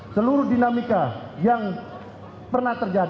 seluruh dinamika yang pernah terjadi